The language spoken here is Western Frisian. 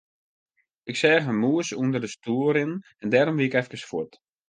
Ik seach in mûs ûnder de stoel rinnen en dêrom wie ik efkes fuort.